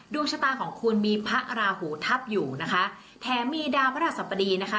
ดวงชะตาของคุณมีพระราหูทับอยู่นะคะแถมมีดาวพระราชสัปดีนะคะ